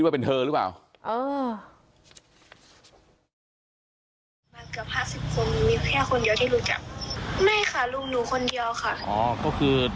อ้าวเพื่อน